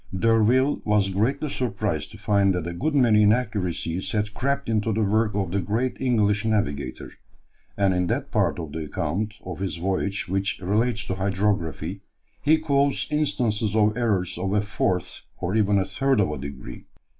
D'Urville was greatly surprised to find that a good many inaccuracies had crept into the work of the great English navigator, and in that part of the account of his voyage which relates to hydrography, he quotes instances of errors of a fourth, or even third of a degree.